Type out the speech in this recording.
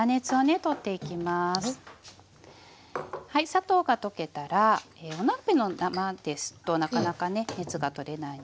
砂糖が溶けたらお鍋のままですとなかなかね熱が取れないのでボウルに移して。